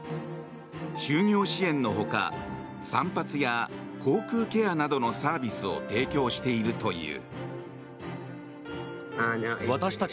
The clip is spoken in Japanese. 就業支援の他散髪や口腔ケアなどのサービスを提供しているという。